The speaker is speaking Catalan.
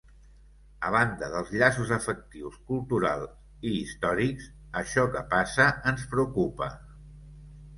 A banda dels llaços afectius, cultural i històrics, això que passa ens preocupa.